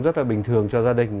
rất là bình thường cho gia đình